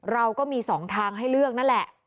เราก็มี๒ทางให้เลือกนั่นแหละ